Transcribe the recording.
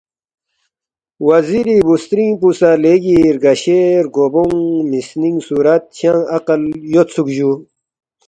وزیری بُوسترِنگ پو سہ لیگی رگشے رگو بونگ، مِسنِنگ صُورت، شنگ عقل یودسُوک جُو